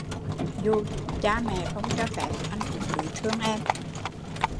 Dù cha mẹ không cho phép, anh cũng cứ thương em